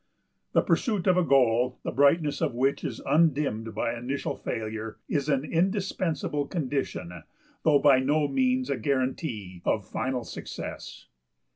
The pursuit of a goal, the brightness of which is undimmed by initial failure, is an indispensable condition, though by no means a guarantee, of final success.